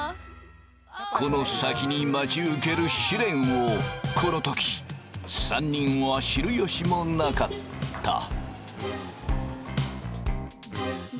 この先に待ち受ける試練をこの時３人は知る由もなかった。